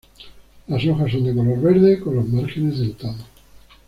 Las hojas son de color verde con los márgenes dentados.